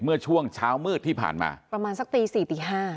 เมื่อช่วงเช้ามืดที่ผ่านมาประมาณสักตี๔ตี๕